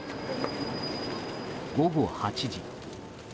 午後８時。